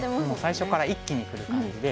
最初から一気にくる感じで。